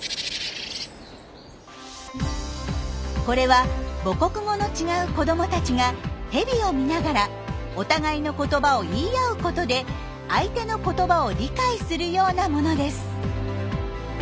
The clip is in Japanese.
これは母国語の違う子どもたちがヘビを見ながらお互いの言葉を言い合うことで相手の言葉を理解するようなものです。